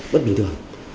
bất bình thường